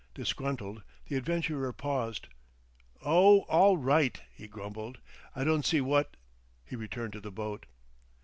Disgruntled, the adventurer paused. "Oh all right," he grumbled. "I don't see what ..." He returned to the boat.